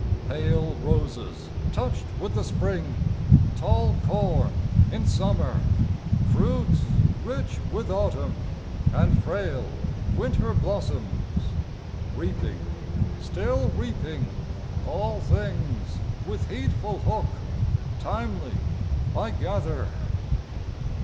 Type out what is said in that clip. Pale roses touched with the spring, Tall corn in summer, Fruits rich with autumn, and frail winter blossoms Reaping, still reaping All things with heedful hook Timely I gather.